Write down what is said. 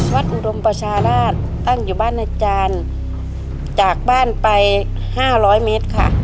วัดอุดมรชาลาศตั้งอยู่บ้านอาจารย์จากบ้านไปห้าร้อยเมตรค่ะ